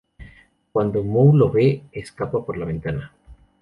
Cuando Moe lo ve, escapa por la ventana.